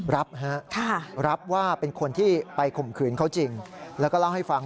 รับฮะรับว่าเป็นคนที่ไปข่มขืนเขาจริงแล้วก็เล่าให้ฟัง